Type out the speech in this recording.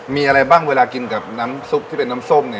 มีอะไรบ้างเวลากินกับน้ำซุปที่เป็นน้ำส้ม